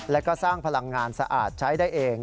และก็สร้างพลังงานสะอาดใช้ได้เอง